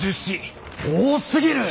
多すぎる！